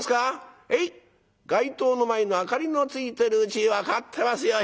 街灯の前の明かりのついてるうち分かってますよ。